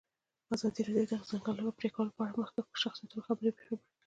ازادي راډیو د د ځنګلونو پرېکول په اړه د مخکښو شخصیتونو خبرې خپرې کړي.